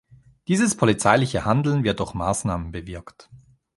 Dieses polizeiliche Handeln wird durch Maßnahmen bewirkt.